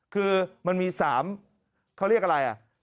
คือมันมี๓เขาเรียกอะไรอ่ะ